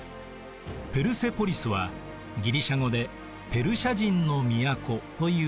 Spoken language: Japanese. ペルセポリスはギリシア語でペルシア人の都という意味。